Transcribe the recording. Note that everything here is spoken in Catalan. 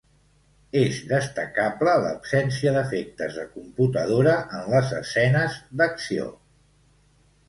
És destacable l'absència d'efectes de computadora en les escenes d'acció.